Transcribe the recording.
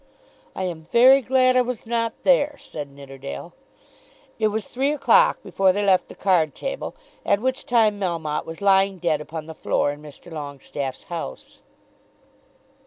"I am very glad I was not there," said Nidderdale. It was three o'clock before they left the card table, at which time Melmotte was lying dead upon the floor in Mr. Longestaffe's house.